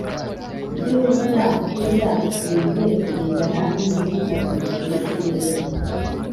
ibyokurya turya bikwiriye kugendana n'imihindagurikire y'ikirere